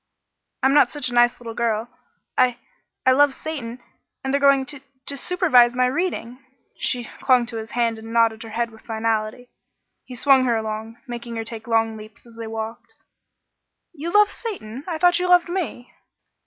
"I'm not such a nice little girl. I I love Satan and they're going to to supervise my reading." She clung to his hand and nodded her head with finality. He swung her along, making her take long leaps as they walked. "You love Satan? I thought you loved me!"